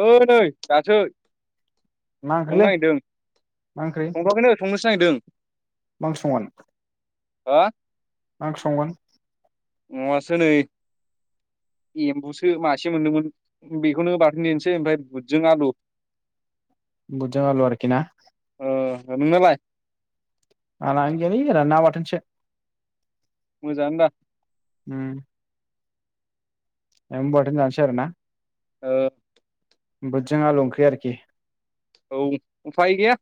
ओ नै दासो मा संनो ओंख्रिलै नायदों मा ओंख्रि संथ'आखैनो। संनोसो नागिरदों। मा ओंख्रि संगोन? हा मा ओंख्रि संगोन? नङासो नै एम्बुसो मासे मोनदोंमोन बेखौनो बाथोन देनोसै ओमफ्राय बुदजों आलु। बुदजों आलु आरोकि ना? ओ नोंनालाय? [unintelligible] ना बाथोनसो। मोजांआनो दा। उम एम्बु बाथोन जानोसै आरोना? ओ बुदजों आलु ओंख्रि आरोखि। औ उफाय गोया।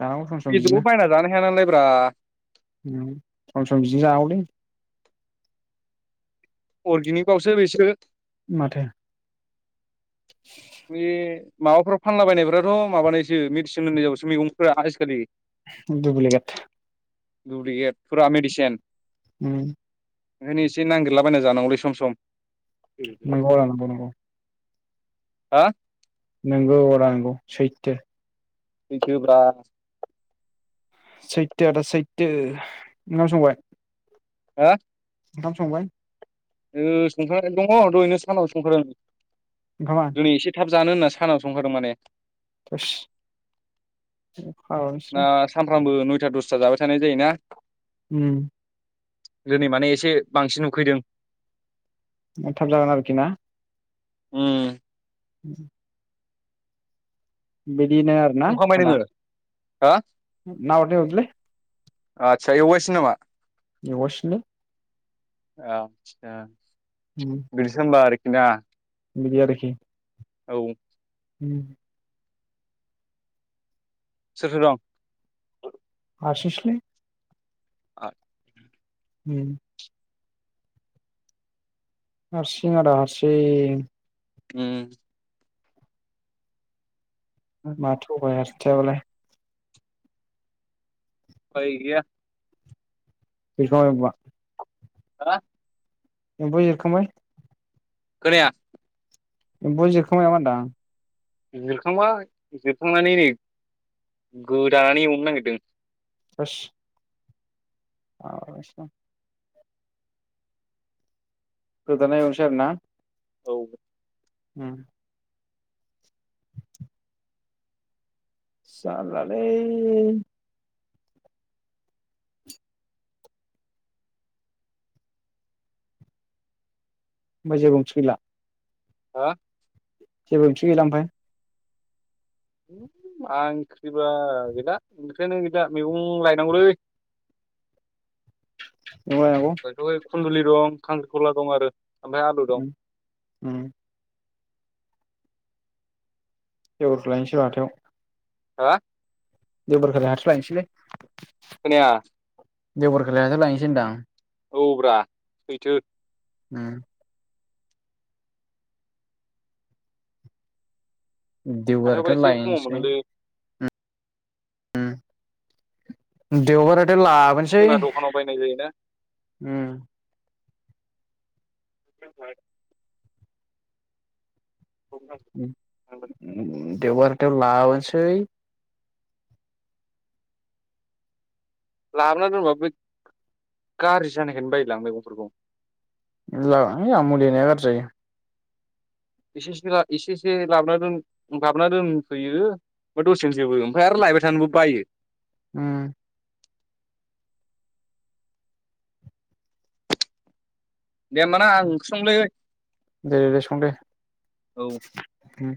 जानांगौ सम सम बिदिनो जानो हाया नालायब्रा उम सम सम बिदिनो जानांगौ। [unintelligible] अर्गेनिकबावसो बेसो। माथो। बेे माबाफोराव फानलाबायनायफ्राथ' माबानायसो मेडिसिन होनाय जावसो मैगंफोरा आजिखालि। डुब्लिगेट डुब्लिगेट फुरा मेडिसेन। उम ओंखायनो एसे नांगिरलाबायना जानांगौलै सम सम। नंगौ रा नंगौ नंगौ। हा नोंगौ आदा नंगौ सैथो। सैथो ब्रा। सैतो आदा सैतो ओंखाम संबाय? हा ओंखाम संबाय? ओ संखानानै दङ दहैनो सानाव संखादों। ओंखामा दोनै एसे थाब जानो होनना सानाव संखादों माने। [unintelligible] [unintelligible] फ्रामबो नयथा दसथा जाबाय थानाय जायोना। उम दिनै माने एसे बांसिन उखैदों। [unintelligible] थाब जागोन आरोखि ना? उम उ बेद बिनो आरोना आदा। हा ना हरदो हरदोलै आथसा एवगासिनो नामा? एवगासिनोलै आ थसा उम बिरसोम्बार दा बिदि आरोखि औ उम सोर सोर दं? हारसिं सो लै। आ उम हारसिं आदा हारसिं। उम मा थ'बायास थाया बालाय फाय गैया। बिफां आरो बुवा हा एबु एरखांबाय। खोनाया? एबु जिखांबाय नामा होनदां? जिरखांबाय जिरखांनानै नै गोदानानै एवनो नागिरदों। थोस हालासो आं गोदाना एवनोसै आरो ना? औ उम जालालै होमबा जेबो ओंथि गैला? हा जेबो ओंखि गैला ओमफाय मा ओंख्रिबा गैला ओंख्रियानो गैला मैगं लायनांगौलै। एम्बु लायनांगौ [unintelligible] खुन्दुलि दं खांख्रि खला दं आरो। ओमफ्राय आलु दं उम उम बेगरखौ लायनोसै र' हाथायाव। हा देवबार खालि हाथायाव लायनोसैलै। खोनाया? देउबारखालि हाथायाव लायनोसै होनदां। औ ब्रा सैथो। उम देउबारावथ हाथायावबा एसे खमाव लायनोसै मोनोलै देउबाराव लाबोनोसै जोंना दखानाव बायनाय जायोना ओम [inaudible] [inaudible] देउबार [unintelligible] लाबोनोसै लाबोना दोनबा बे गाज्रि जानायखायनो बायोलां मैगंफोरखौ। [unintelligible] मुलि होनाया गाज्रि जायो। एसे एसे एसे लाबोना लाबोना दोनफैयो ओमफ्राय दसेनो जोबो ओमफ्राय आरो लायबाय थानोबो बायो। उम दे होमबाना आं ओंख्रि संनिलै। दे दे सं दे औ ओम।